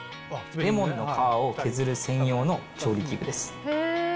レモンの皮を削る専用の調理器具です。